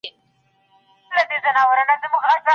علم به انسان لوړ کړی وي.